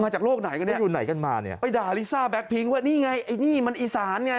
มาจากโลกไหนกันเนี่ยไปด่าลิซ่าแบ็คพิ้งว่านี่ไงไอ้นี่มันอีสานไง